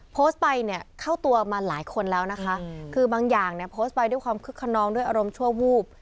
โพสต์ไปเนี่ยเข้าตัวมาหลายคนแล้วนะคะคือบางอย่างเนี่ยโพสต์ไปด้วยความคึกขนองด้วยอารมณ์ชั่ววูบ